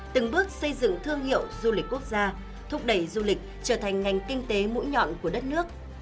từng bước xây dựng thương hiệu du lịch quốc gia thúc đẩy du lịch trở thành ngành kinh tế mũi nhọn của đất nước